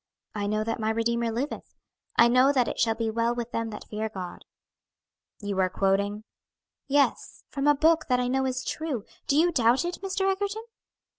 'I know that my Redeemer liveth.' 'I know that it shall be well with them that fear God.'" "You are quoting?" "Yes, from a book that I know is true. Do you doubt it, Mr. Egerton?"